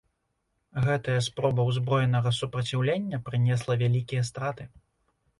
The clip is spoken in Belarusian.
Гэтая спроба ўзброенага супраціўлення прынесла вялікія страты.